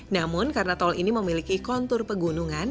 namun karena tol ini memiliki kontur pegunungan